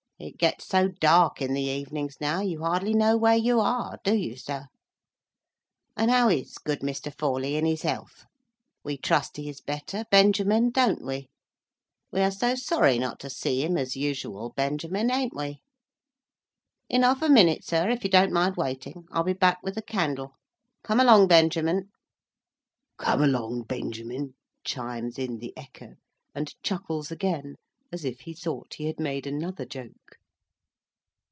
It gets so dark in the evenings, now, you hardly know where you are, do you, sir? And how is good Mr. Forley in his health? We trust he is better, Benjamin, don't we? We are so sorry not to see him as usual, Benjamin, ain't we? In half a minute, sir, if you don't mind waiting, I'll be back with the candle. Come along, Benjamin." "Come along, Benjamin," chimes in the echo, and chuckles again as if he thought he had made another joke.